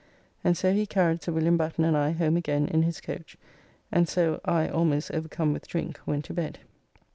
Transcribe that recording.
And so he carried Sir William Batten and I home again in his coach, and so I almost overcome with drink went to bed.